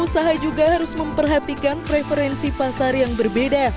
usaha juga harus memperhatikan preferensi pasar yang berbeda